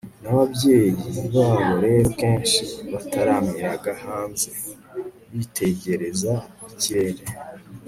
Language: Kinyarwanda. n'ababyeyi babo rero kenshi bataramiraga hanze, bitegereza ikirere